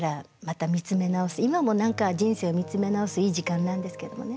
今も何か人生を見つめ直すいい時間なんですけどもね。